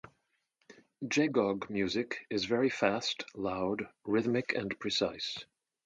Jegog music is very fast, loud, rhythmic and precise.